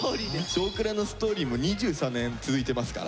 「少クラ」のストーリーも２３年続いてますから。